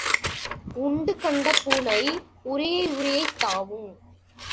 உண்டு கண்ட பூனை உறியை உறியைத் தாவும்.